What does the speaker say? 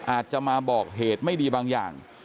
อาจจะมาบอกเหตุไม่ดีบางอย่าง